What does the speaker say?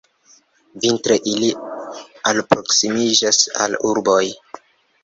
Vintre ili alproksimiĝas al urboj.